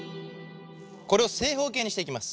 これを正方形にしていきます。